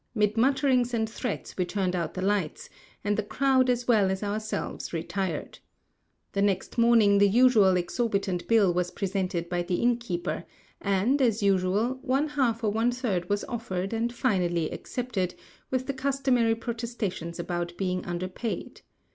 Mid mutterings and threats we turned out the lights, and the crowd as well as ourselves retired. The next morning the usual exorbitant bill was presented by the innkeeper, and, as usual, one half or one third was offered and finally accepted, with the customary protestations about being under paid.